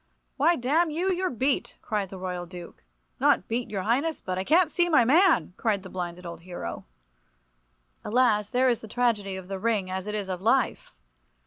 "Why, damn you, you're beat!" cried the Royal Duke. "Not beat, your highness, but I can't see my man!" cried the blinded old hero. Alas, there is the tragedy of the ring as it is of life!